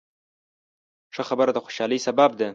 ښه خبره د خوشحالۍ سبب ده.